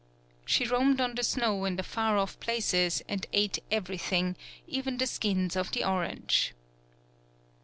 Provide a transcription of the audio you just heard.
She roamed on the snow in the far off places, and ate everything, even the skins of the orange.